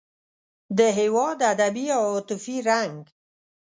د هېواد ادبي او عاطفي رنګ.